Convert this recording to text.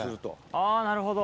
あぁなるほど。